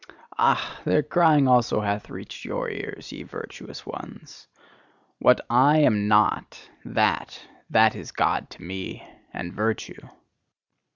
Ah! their crying also hath reached your ears, ye virtuous ones: "What I am NOT, that, that is God to me, and virtue!"